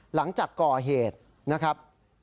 หลังจากก่อเหตุนะครับ